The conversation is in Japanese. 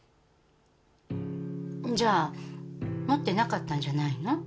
じゃあ持ってなかったんじゃないの？